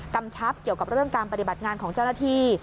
กำชับเกี่ยวกับเรื่องการปฏิบัติงานของเจ้าหน้าที่